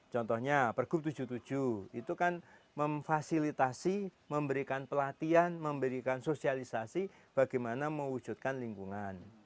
contohnya pergub tujuh puluh tujuh itu kan memfasilitasi memberikan pelatihan memberikan sosialisasi bagaimana mewujudkan lingkungan